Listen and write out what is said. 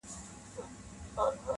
انډیوالۍ کي چا حساب کړی دی ,